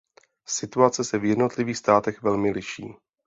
Situace se v jednotlivým státech velmi liší.